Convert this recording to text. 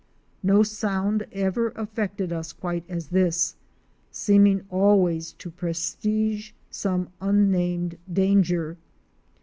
No sound ever affected us quite as this; seeming always to prestige some unnamed danger.